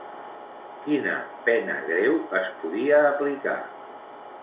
Quina pena greu es podia aplicar?